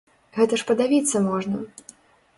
Гэта ж падавіцца можна!